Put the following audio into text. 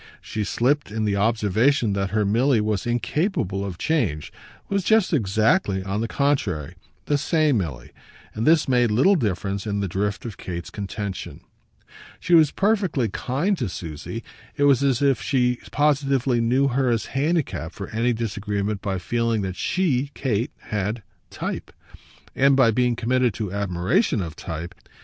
She slipped in the observation that her Milly was incapable of change, was just exactly, on the contrary, the same Milly; but this made little difference in the drift of Kate's contention. She was perfectly kind to Susie: it was as if she positively knew her as handicapped for any disagreement by feeling that she, Kate, had "type," and by being committed to admiration of type.